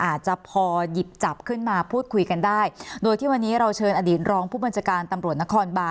อาจจะพอหยิบจับขึ้นมาพูดคุยกันได้โดยที่วันนี้เราเชิญอดีตรองผู้บัญชาการตำรวจนครบาน